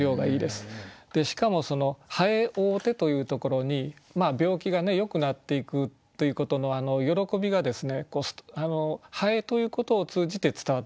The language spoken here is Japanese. しかも「蠅追うて」というところに病気がよくなっていくということの喜びがですね蠅ということを通じて伝わってきますね。